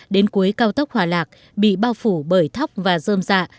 đến cuối cao tốc hòa lạc bị bao phủ bởi thóc và rơm rạ